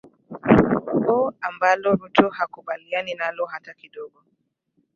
o ambalo ruto hakubaliani nalo hata kidogo